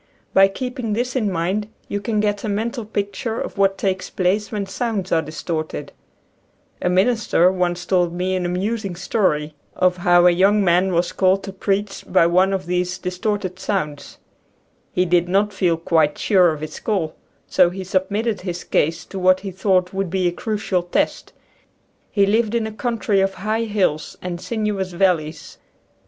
By keeping this in mind you can get a mental picture of what takes place when sounds are distorted. A minister once told me an amusing story (~~|, Original from :{<~ UNIVERSITY OF WISCONSIN 70 nature's d&iracleg. of how a young man was called to preach by one of these distorted sounds. He did not feel quite sure of his call, so he submitted his case to what he thought would be a crucial test. He lived in a country of high hills and sinuous valleys.